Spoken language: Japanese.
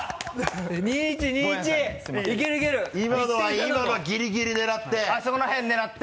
今のはギリギリ狙って。